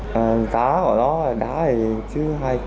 người ta gọi nó là đá thì chứ hai trăm linh ba trăm linh bốn trăm linh